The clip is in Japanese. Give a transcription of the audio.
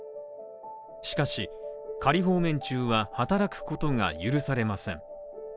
しかし、仮放免中は働くことが許されません。